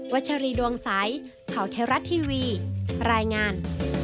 ัชรีดวงใสข่าวเทวรัฐทีวีรายงาน